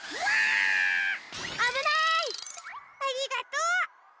ありがとう！